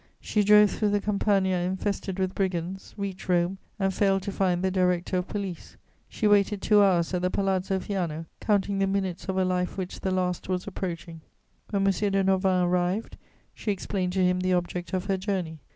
She drove through the Campagna infested with brigands, reached Rome, and failed to find the Director of Police. She waited two hours at the Palazzo Fiano, counting the minutes of a life of which the last was approaching. When M. de Norvins arrived, she explained to him the object of her journey.